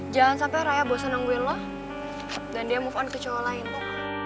jangan sampai raya bosen nungguin lo dan dia move on ke cowok lain mo